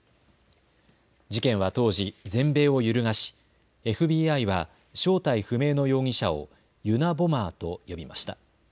事件は当時、全米を揺るがしＦＢＩは正体不明の容疑者をユナボマーと呼びました。